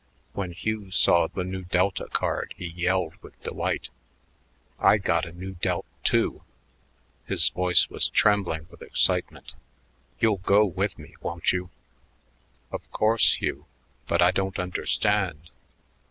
When Hugh saw the Nu Delta card he yelled with delight. "I got a Nu Delt, too." His voice was trembling with excitement. "You'll go with me, won't you?" "Of course, Hugh. But I don't understand."